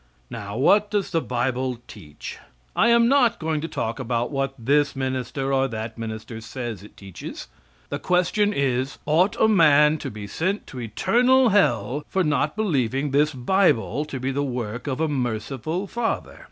Now, what does the Bible teach? I am not going to talk about what this minister or that minister says it teaches; the question is "ought a man to be sent to eternal hell for not believing this Bible to be the work of a Merciful Father?"